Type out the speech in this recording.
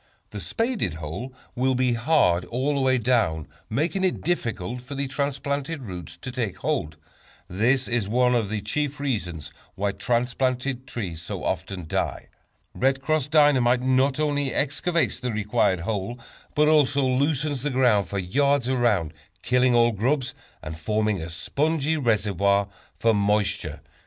The spaded hole will be hard all the way down, making it difficult for the transplanted roots to take hold. This is one of the chief reasons why transplanted trees so often die. "Red Cross" Dynamite not only excavates the required hole, but also loosens the ground for yards around, killing all grubs, and forming a spongy reservoir for moisture.